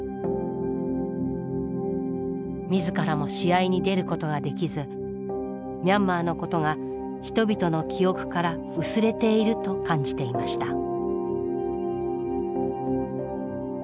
自らも試合に出ることができずミャンマーのことが人々の記憶から薄れていると感じていました。